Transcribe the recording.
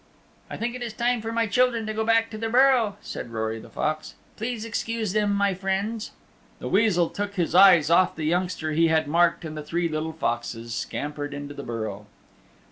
"I think it is time for my children to go back to their burrow," said Rory the Fox. "Please excuse them, my friends." The Weasel took his eyes off the youngster he had marked and the three little foxes scampered into the burrow.